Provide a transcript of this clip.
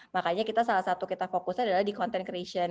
makanya kita salah satu kita fokusnya adalah di content creation